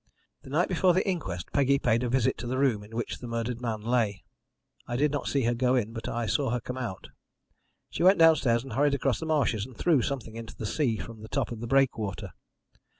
The night before the inquest Peggy paid a visit to the room in which the murdered man lay. I did not see her go in, but I saw her come out. She went downstairs and hurried across the marshes and threw something into the sea from the top of the breakwater.